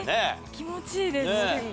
気持ちいいです結構。